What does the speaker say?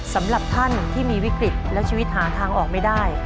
สำหรับท่านที่มีวิกฤตและชีวิตหาทางออกไม่ได้